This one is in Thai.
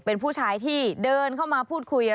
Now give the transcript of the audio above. เป็นผู้ชายที่เดินเข้ามาพูดคุย